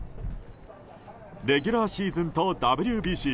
レギュラーシーズンとＷＢＣ。